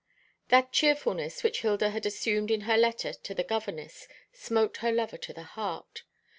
That cheerfulness which Hilda had assumed in her letter to the governess smote her lover to the heart.